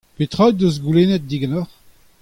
Petra he deus goulennet diganeoc'h ?